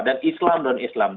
dan islam dan non islam